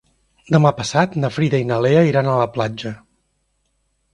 Demà passat na Frida i na Lea iran a la platja.